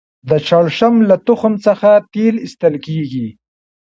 د شړشم له تخم څخه تېل ایستل کیږي